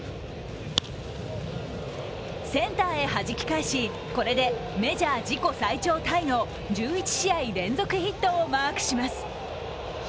センターへはじき返しこれでメジャー自己最長タイの１１試合連続ヒットをマークします。